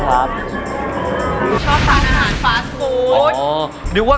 กระเพรา